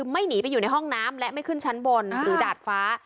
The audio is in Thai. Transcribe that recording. ไม่หนีไปอยู่ในห้องน้ำและไม่ขึ้นชั้นบนหรือดาดฟ้า